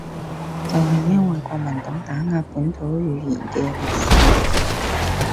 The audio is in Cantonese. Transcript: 就係因為國民黨打壓本土語言嘅歷史